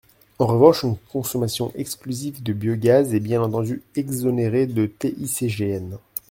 En revanche, une consommation exclusive de biogaz est bien entendu exonérée de TICGN.